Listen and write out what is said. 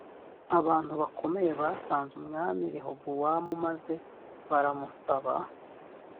abantu bakomeye basanze umwami rehobowamu maze baramusaba